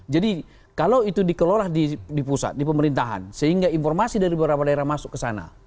jadi kalau itu dikelola di pusat di pemerintahan sehingga informasi dari beberapa daerah masuk ke sana